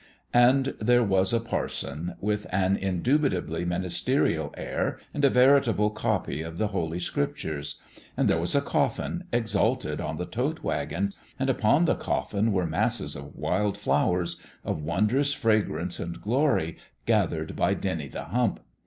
And there was a parson, with an indubitably ministerial air and a veritable copy of the Holy Scriptures and there was a coffin, exalted on the tote wagon and upon the coffin were masses of wild flowers, of wondrous fragrance and glory, gathered by Dennie the Hump.